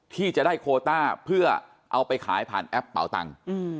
ที่จะได้โคต้าเพื่อเอาไปขายผ่านแอปเป่าตังค์